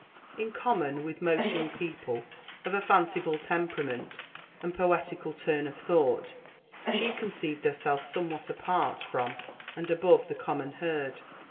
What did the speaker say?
In common with most joung people of a fanciful temperament and poetical turn of thought, she conceived herself somewhat apart from and above tbe common herd.